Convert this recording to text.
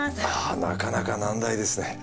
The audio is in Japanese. なかなか難題ですね。